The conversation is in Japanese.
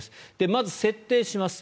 まず設定します。